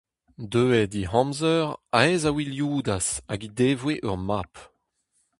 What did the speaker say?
Deuet he amzer, Ahez a wilioudas, hag he devoe ur mab.